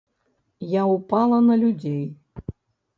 Я ўпала на людзей.